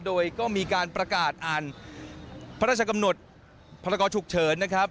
โดยก็มีการประกาศอ่านพระราชกำหนดพรกรฉุกเฉินนะครับ